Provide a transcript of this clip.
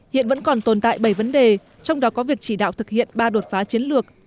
hiện vẫn còn tồn tại bảy vấn đề trong đó có việc chỉ đạo thực hiện ba đột phá chiến lược